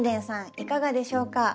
いかがでしょうか？